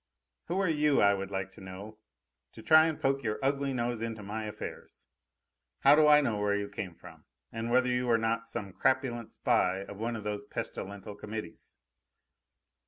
"Who are you, I would like to know, to try and poke your ugly nose into my affairs? How do I know where you come from, and whether you are not some crapulent spy of one of those pestilential committees?"